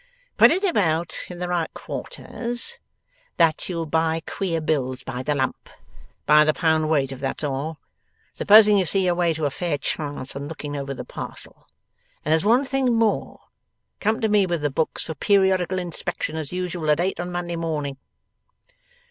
'Put it about in the right quarters, that you'll buy queer bills by the lump by the pound weight if that's all supposing you see your way to a fair chance on looking over the parcel. And there's one thing more. Come to me with the books for periodical inspection as usual, at eight on Monday morning.